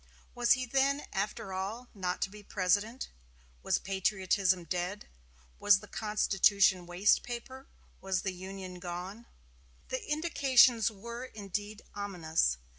Was he then, after all, not to be President? Was patriotism dead? Was the Constitution waste paper? Was the Union gone? The indications were, indeed, ominous.